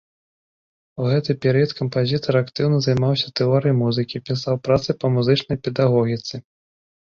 У гэты перыяд кампазітар актыўна займаўся тэорыяй музыкі, пісаў працы па музычнай педагогіцы.